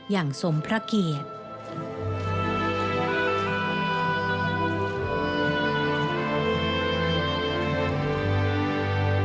อย่างสมพระเกียรติ